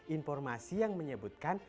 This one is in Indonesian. informasi yang menyebutkan